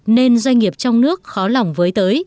nên doanh nghiệp trong nước khó lòng với tới